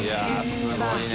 すごいな。